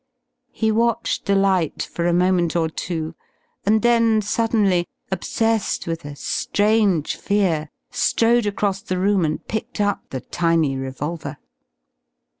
He watched the light for a moment or two, and then suddenly, obsessed with a strange fear, strode across the room and picked up the tiny revolver.